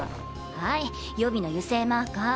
はい予備の油性マーカー。